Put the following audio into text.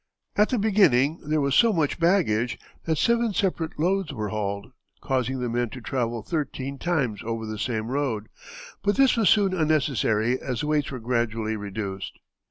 At the beginning there was so much baggage that seven separate loads were hauled, causing the men to travel thirteen times over the same road, but this was soon unnecessary, as weights were gradually reduced.